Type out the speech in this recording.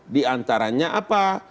di antaranya apa